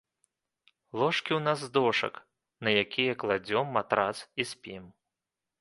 Ложкі ў нас з дошак, на якія кладзём матрац і спім.